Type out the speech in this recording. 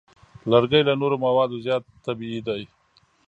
لرګی له نورو موادو زیات طبیعي دی.